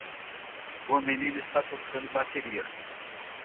O menino está tocando bateria.